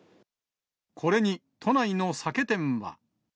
これに都内の酒店は。